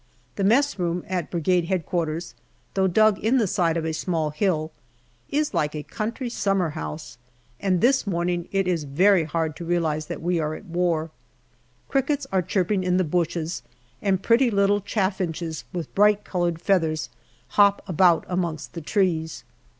The messroom at Brigade H.Q., though dug in the side of a small hill, is like a country summer house, and this morning it is very hard to realize that we are at war. Crickets are chirping in the bushes, and pretty little chaffinches with bright coloured feathers hop about amongst the trees.